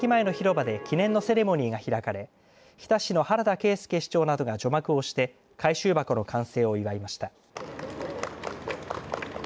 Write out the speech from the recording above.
きのうはＪＲ日田駅前の広場で記念のセレモニーが開かれ日田市の原田啓介市長などが除幕をして回収箱の完成を祝いました。